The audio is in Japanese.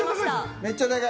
めっちゃ高い。